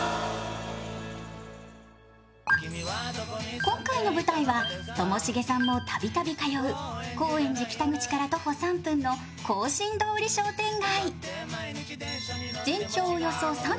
今回の舞台は、ともしげさんも度々通う高円寺北口から徒歩３分の庚申通り商店街。